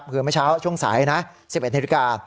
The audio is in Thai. สำหรับไม่เช้าช่วงใหม่สายนะ๑๑อ